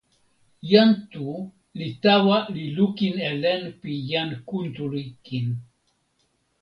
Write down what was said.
jan Tu li tawa li lukin e len pi jan Kuntuli kin.